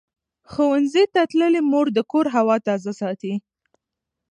ښوونځې تللې مور د کور هوا تازه ساتي.